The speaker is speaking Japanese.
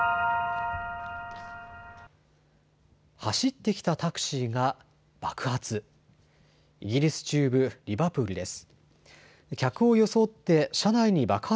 走ってきたタクシーが爆発。